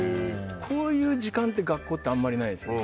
こういう時間って学校はあまりないですよね。